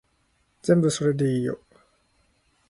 全部それでいいよ